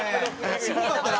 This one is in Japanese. すごかったね